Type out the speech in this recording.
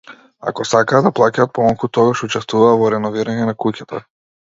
Ако сакаа да плаќаат помалку, тогаш учествуваа во реновирање на куќата.